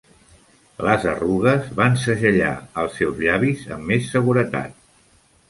Les arrugues van segellar els seus llavis amb més seguretat.